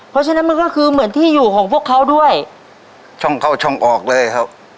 เพราะฉะนั้นมันก็คือเหมือนที่อยู่ของพวกเขาด้วยช่องเข้าช่องออกเลยครับ